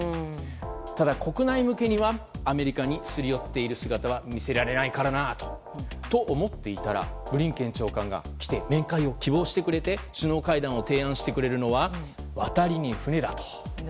ただ、国内向けにはアメリカにすり寄っている姿は見せられないからなと思っていたらブリンケン長官が来て面会を希望して首脳会談を提案してくれるのは渡りに船だと。